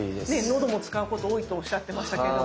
のども使うこと多いとおっしゃってましたけど。